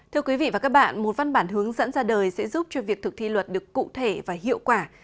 thưa quý vị và các bạn một văn bản hướng dẫn ra đời sẽ giúp cho việc thực thi luật được cụ thể và hiệu quả